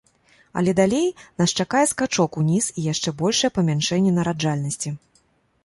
Але далей нас чакае скачок уніз і яшчэ большае памяншэнне нараджальнасці.